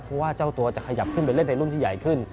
เพราะว่าเจ้าตัวจะขยับขึ้นไปเล่นในรุ่นที่ใหญ่ขึ้น